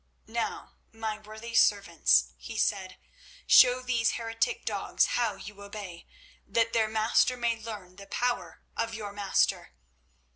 "Now, my worthy servants," he said, "show these heretic dogs how you obey, that their master may learn the power of your master.